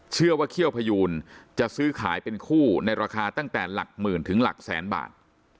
เชื่อว่าเขี้ยวพยูนจะซื้อขายเป็นคู่ในราคาตั้งแต่หลักหมื่นถึงหลักแสนบาท